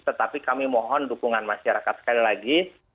tetapi kami mohon dukungan masyarakat sekali lagi